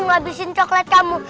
menghabiskan coklat kamu